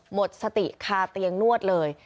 หมดสติคาเตียงนวดเลย